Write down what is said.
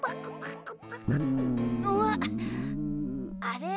あれ？